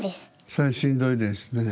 それはしんどいですねえ。